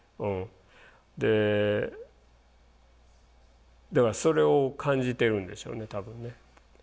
でだからそれを感じてるんでしょうね多分ね。